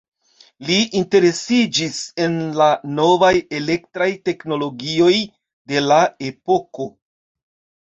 Li interesiĝis en la novaj elektraj teknologioj de la epoko.